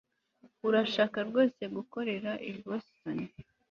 Urashaka rwose gukorera i Boston